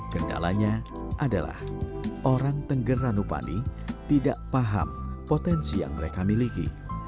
kendalanya adalah orang tengger ranupani tidak paham potensi yang mereka miliki